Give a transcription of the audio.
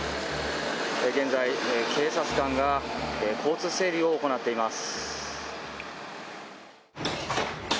現在、警察官が交通整理を行っています。